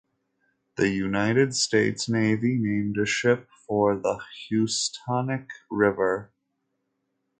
The United States Navy named a ship for the Housatonic River.